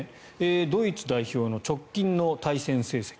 ドイツ代表の直近の対戦成績。